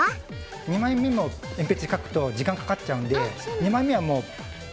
２枚目も鉛筆でかくと時間かかっちゃうんでえ